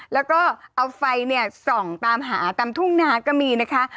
แล้วก็เอาไฟเนี่ยส่องตามหาตามทุ่งนาก็มีนะคะ